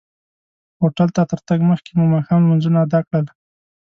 هوټل ته تر تګ مخکې مو ماښام لمونځونه ادا کړل.